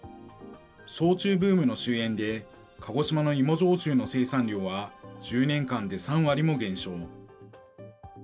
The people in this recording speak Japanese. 焼酎ブームの終えんで、鹿児島の芋焼酎の生産量は、１０年間で３割も減少。